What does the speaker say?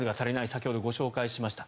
先ほどご紹介しました。